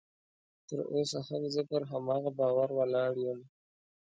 تر اوسه هم زه پر هماغه باور ولاړ یم